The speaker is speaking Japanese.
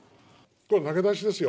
これは投げ出しですよ。